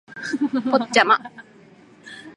ポッチャマ